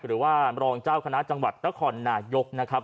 หรือว่ารองเจ้าคณะจังหวัดนครนายกนะครับ